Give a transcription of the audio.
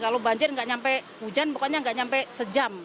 kalau banjir nggak nyampe hujan pokoknya nggak nyampe sejam